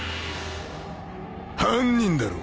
犯人だろ。